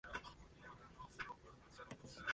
Leocadia: Enamorada de Marco Antonio.